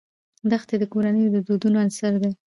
دښتې د کورنیو د دودونو عنصر دی.